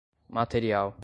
material